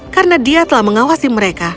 karena dia telah mengawasi mereka